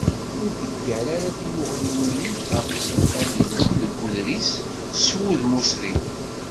Ur d-ggar ara timuɣliwin-ik ɣef yisental yellan deg uḍris s wudem usrid.